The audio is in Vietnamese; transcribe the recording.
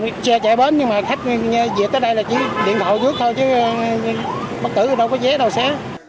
đúng rồi chạy bến nhưng mà khách về tới đây là chỉ điện thoại vướt thôi chứ bất cứ đâu có vé đâu xé